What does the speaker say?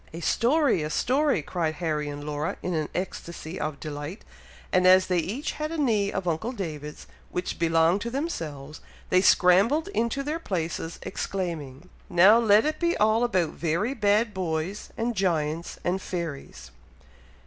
"A story! a story!" cried Harry and Laura, in an ecstacy of delight, and as they each had a knee of uncle David's, which belonged to themselves, they scrambled into their places, exclaiming, "Now let it be all about very bad boys, and giants, and fairies!"